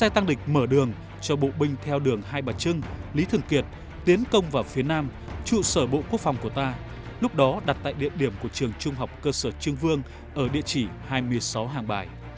trụ sở bộ quốc phòng của ta lúc đó đặt tại địa điểm của trường trung học cơ sở trưng vương ở địa chỉ hai mươi sáu hàng bài